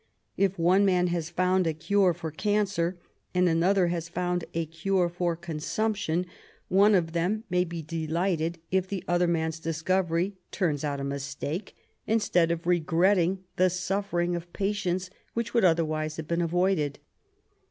If one man has found a cure for cancer and another has found a cure for consumption, one of them may be delighted if the other man's discovery turns out a mistake, instead of regretting the suffering of patients which would otherwise have been avoided.